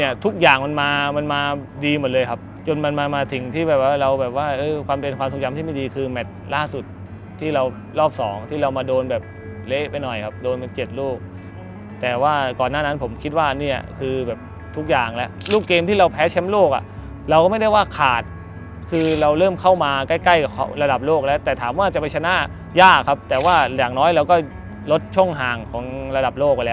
อีเมรินด์อีเมรินด์อีเมรินด์อีเมรินด์อีเมรินด์อีเมรินด์อีเมรินด์อีเมรินด์อีเมรินด์อีเมรินด์อีเมรินด์อีเมรินด์อีเมรินด์อีเมรินด์อีเมรินด์อีเมรินด์อีเมรินด์อีเมรินด์อีเมรินด์อีเมรินด์อีเมรินด์อีเมรินด์อ